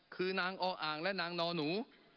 คือนางออ่างและนางนอนหนู